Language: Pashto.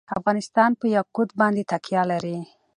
افغانستان په یاقوت باندې تکیه لري.